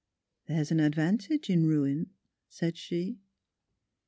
There's an advantage in ruin," said she.